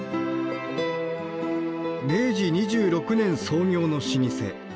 明治２６年創業の老舗。